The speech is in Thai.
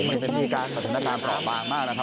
มันเป็นวิการสถานการณ์ขาวฟางมากนะครับ